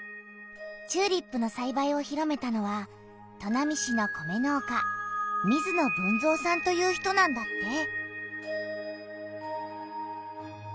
チューリップのさいばいを広めたのは砺波市の米農家水野豊造さんという人なんだって！